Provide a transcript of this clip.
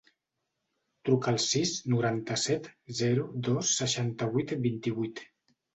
Truca al sis, noranta-set, zero, dos, seixanta-vuit, vint-i-vuit.